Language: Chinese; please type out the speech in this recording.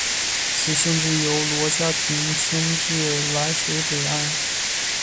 此时县治由罗家坪迁至洣水北岸。